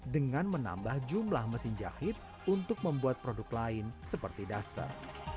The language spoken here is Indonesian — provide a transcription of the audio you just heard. dengan menambah jumlah mesin jahit untuk membuat produk lain seperti duster